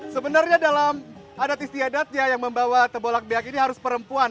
sebenarnya dalam adat istiadatnya yang membawa tebolak biak ini harus perempuan